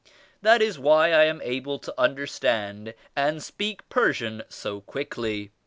That is why I am able to understand and speak Persian so quickly.